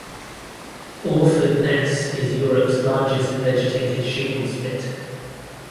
Orford Ness is Europe's largest vegetated shingle spit.